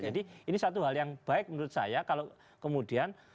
jadi ini satu hal yang baik menurut saya kalau kemudian